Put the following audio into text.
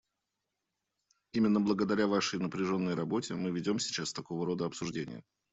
Именно благодаря Вашей напряженной работе мы ведем сейчас такого рода обсуждение.